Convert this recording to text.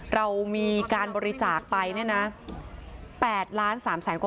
เรามีการบริจาคไปเนี่ยนะ